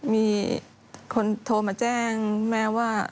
มีคนโทรมาแจ้งแม่ว่า